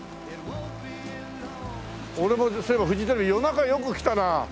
俺そういえばフジテレビ夜中よく来たな。